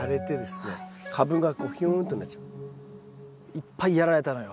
いっぱいやられたのよ。